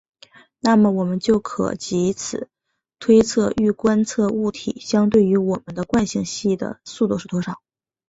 那么我们就可藉此推测欲观测物体相对于我们的惯性系的速度是多少。